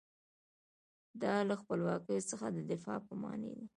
دا له خپلواکۍ څخه د دفاع په معنی دی.